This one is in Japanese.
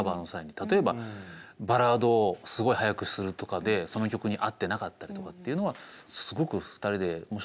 例えばバラードをすごい速くするとかでその曲に合ってなかったりとかっていうのはすごく２人でもしくはバンドで精査して。